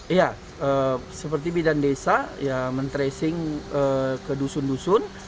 iya seperti bidan desa ya mentresing ke dusun dusun